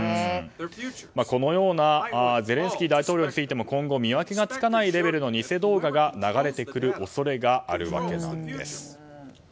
このようなゼレンスキー大統領についても今後見分けがつかないレベルの偽動画が流れてくる恐れがあるわけなんです。